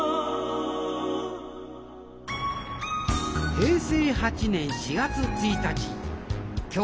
平成８年４月１日。